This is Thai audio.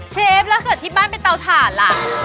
เชฟแล้วเกิดที่บ้านเป็นเตาถ่านล่ะ